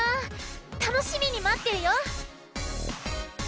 たのしみにまってるよ！